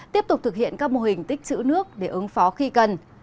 tiếp tục thực hiện các mô hình tích chữ nước để ứng phó khi cần